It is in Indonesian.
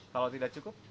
kalau tidak cukup